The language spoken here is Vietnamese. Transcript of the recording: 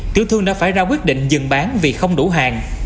tiểu thương đã phải ra quyết định dừng bán vì không đủ hàng